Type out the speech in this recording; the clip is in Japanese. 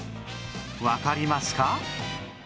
わかりますか？